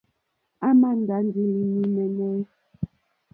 À màà ndá ndí línì mɛ́ɛ́nɛ́.